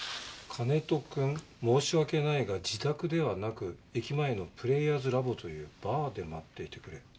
「金戸くん申し訳ないが自宅ではなく駅前のプレイヤーズラボというバーで待っていてくれ。